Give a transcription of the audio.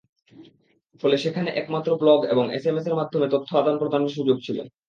ফলে সেখানে একমাত্র ব্লগ এবং এসএমএসের মাধ্যমে তথ্য আদান-প্রদানের সুযোগ ছিল।